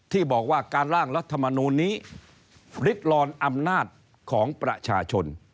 ที่บอกว่าการล่างรัฐมนูลนี้ริดลอนอำนาจของประชาชน